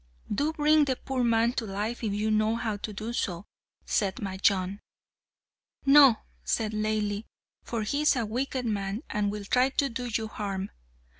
"Do bring the poor man to life if you know how to do so," said Majnun. "No," said Laili, "for he is a wicked man, and will try to do you harm."